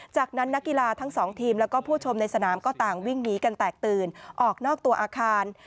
จากนั้นนักกีฬาทั้งสองทีมแล้วก็ผู้ชมในสนามก็ต่างวิ่งหนีกันแตกตื่นออกนอกตัวอาคาร